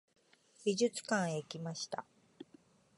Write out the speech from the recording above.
美術館へ行きました。